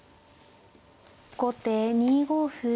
後手２五歩。